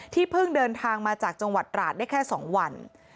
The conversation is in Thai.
เพิ่งเดินทางมาจากจังหวัดราชได้แค่๒วัน